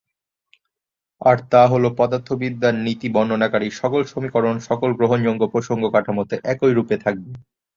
আর তা হলো, পদার্থবিদ্যার নীতি বর্ণনাকারী সকল সমীকরণ সকল গ্রহণযোগ্য প্রসঙ্গ কাঠামোতে একই রূপে থাকবে।